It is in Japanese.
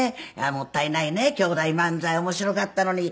もったいないね姉妹漫才面白かったのに。